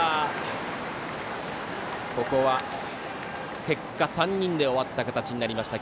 ここは結果３人で終わった形になりました